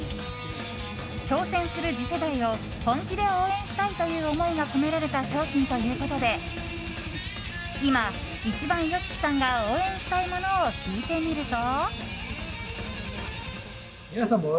挑戦する次世代を本気で応援したいという思いが込められた商品ということで今、一番ＹＯＳＨＩＫＩさんが応援したいものを聞いてみると。